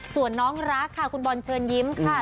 ส่วนน้องรักค่ะคุณบอลเชิญยิ้มค่ะ